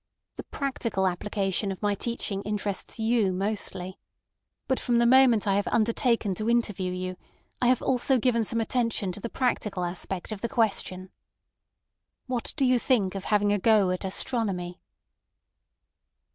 The practical application of my teaching interests you mostly. But from the moment I have undertaken to interview you I have also given some attention to the practical aspect of the question. What do you think of having a go at astronomy?"